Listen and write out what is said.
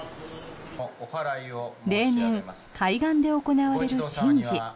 例年、海岸で行われる神事。